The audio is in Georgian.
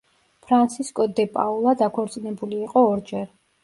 ფრანსისკო დე პაულა დაქორწინებული იყო ორჯერ.